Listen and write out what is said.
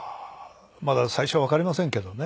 まだ最初はわかりませんけどね。